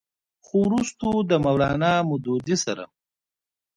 خو وروستو د مولانا مودودي سره